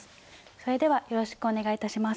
それではよろしくお願いいたします。